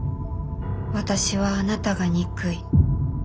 「私はあなたが憎い」。